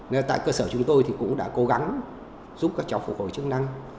nên tại cơ sở chúng tôi thì cũng đã cố gắng giúp các cháu phục hồi chức năng